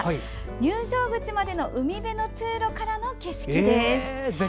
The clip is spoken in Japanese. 入場口までの海辺の通路からの景色です。